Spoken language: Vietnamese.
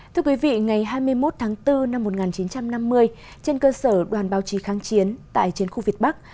thưa quý vị ngày hai mươi một tháng bốn năm một nghìn chín trăm năm mươi trên cơ sở đoàn báo chí kháng chiến tại trên khu việt bắc